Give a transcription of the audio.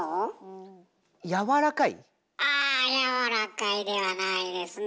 あ「やわらかい」ではないですね。